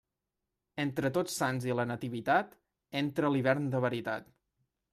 Entre Tots Sants i la Nativitat entra l'hivern de veritat.